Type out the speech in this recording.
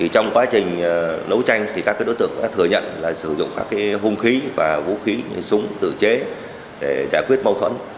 trong quá trình đấu tranh các đối tượng đã thừa nhận sử dụng các hung khí và vũ khí súng tự chế để giải quyết mâu thuẫn